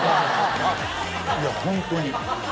いやホントに。